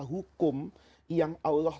hukum yang allah